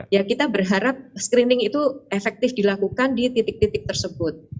ya kita berharap screening itu efektif dilakukan di titik titik tersebut